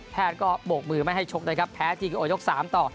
ก็โบกมือไม่ให้ชกนะครับแพ้ทีโกโอยก๓ต่อ